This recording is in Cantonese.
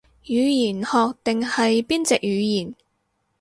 語言學定係邊隻語言